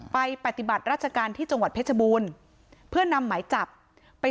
ปฏิบัติราชการที่จังหวัดเพชรบูรณ์เพื่อนำหมายจับไป